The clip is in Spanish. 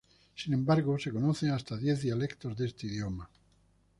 Sin embargo se conocen hasta diez dialectos de este idioma.